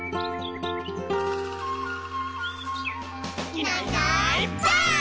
「いないいないばあっ！」